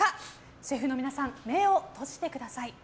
シェフの皆さん目を閉じてください。